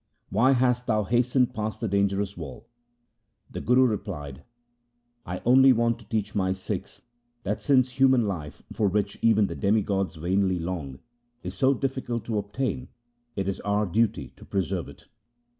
Why hast thou hastened past the dangerous wall ?' The Guru replied :' I only want to teach my Sikhs that since human life, for which even the demigods vainly long, is so difficult to obtain, it is our duty to preserve it.